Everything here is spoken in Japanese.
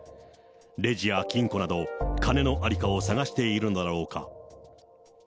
レジや金庫など、金のありかを探しているのだろうか。